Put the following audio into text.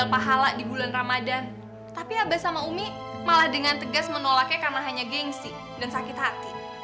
pahala di bulan ramadhan tapi abah sama umi malah dengan tegas menolaknya karena hanya gengsi dan sakit hati